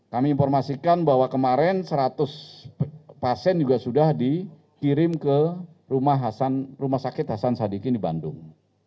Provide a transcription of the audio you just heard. kami informasikan bahwa kemarin seratus pasien juga sudah dikirim ke rumah sakit hasan sadikin di bandung